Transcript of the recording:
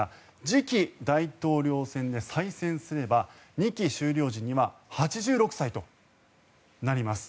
次期大統領選で再選すれば２期終了時には８６歳となります。